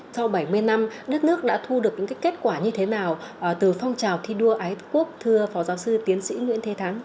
sau bảy mươi năm đất nước đã thu được những kết quả như thế nào từ phong trào thi đua ái quốc thưa phó giáo sư tiến sĩ nguyễn thế thắng